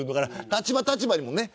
立場立場でもね